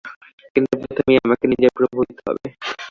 কিন্তু প্রথমেই তোমাকে নিজের প্রভু হইতে হইবে।